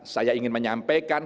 saya ingin menyampaikan